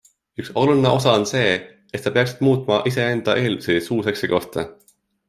Üks oluline osa on see, et sa peaksid muutma iseenda eeldusi suuseksi kohta.